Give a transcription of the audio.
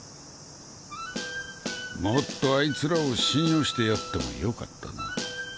もっとあいつらを信用してやっても良かったな。